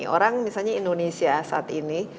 orang misalnya indonesia saat ini